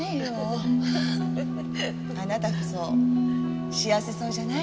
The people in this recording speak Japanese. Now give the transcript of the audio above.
あなたこそ幸せそうじゃない。